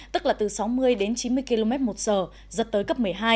tức là từ sáu mươi đến chín mươi km một giờ giật tới cấp một mươi hai